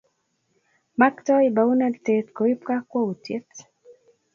Maktoi baunatet koib kokwoutiet